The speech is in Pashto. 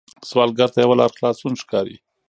سوالګر ته یوه لاره خلاصون ښکاري